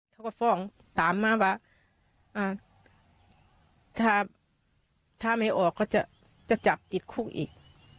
เขาก็ฟ้องตามมาว่าถ้าไม่ออกก็จะจับติดคุกอีก